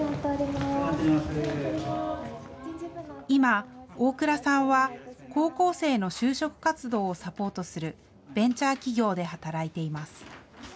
今、大蔵さんは、高校生の就職活動をサポートするベンチャー企業で働いています。